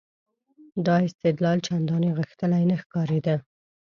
دا استدلال چندانې غښتلی نه ښکارېده.